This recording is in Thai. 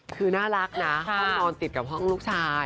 คือน่ารักนะห้องนอนติดกับห้องลูกชาย